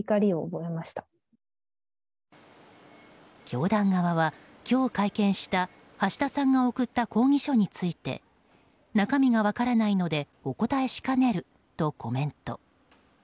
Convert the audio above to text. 教団側は、今日会見した橋田さんが送った抗議書について中身が分からないのでお答えしかねるとコメント。